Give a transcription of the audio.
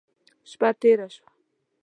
شپه تېره شوه.